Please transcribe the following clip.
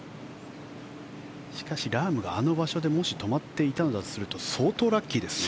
しかし、ラームがあの場所で止まっていたのだとすると相当ラッキーですね。